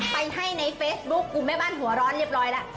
ไปให้ในเฟซบุ๊คกลุ่มแม่บ้านหัวร้อนเรียบร้อยแล้ว